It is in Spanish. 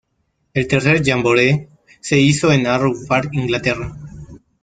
El tercer "jamboree" se hizo en Arrow Park, Inglaterra.